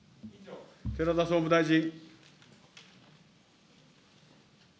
寺田総務大臣。